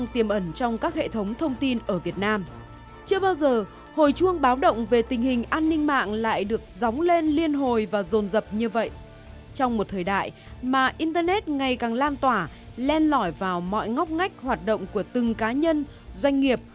trong một thời đại mà internet ngày càng lan tỏa len lỏi vào mọi ngóc ngách hoạt động của từng cá nhân doanh nghiệp